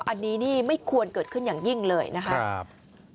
อันนี้นี่ไม่ควรเกิดขึ้นอย่างยิ่งเลยนะครับ